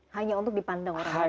hanya untuk dipandang orang lain